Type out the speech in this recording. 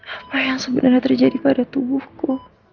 apa yang sebenarnya terjadi pada tubuhku